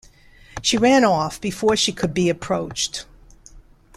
She ran off before she could be approached.